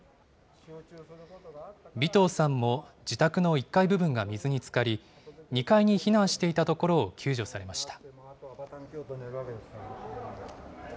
尾藤さんも自宅の１階部分が水につかり、２階に避難していたところを救助されました。